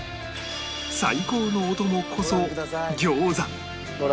最高のお供こそ餃子！